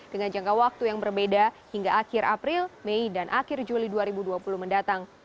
dengan jangka waktu yang berbeda hingga akhir april mei dan akhir juli dua ribu dua puluh mendatang